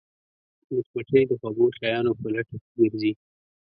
مچمچۍ د خوږو شیانو په لټه کې ګرځي